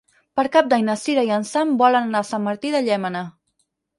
Per Cap d'Any na Cira i en Sam volen anar a Sant Martí de Llémena.